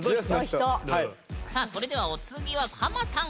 さあそれではお次はハマさん。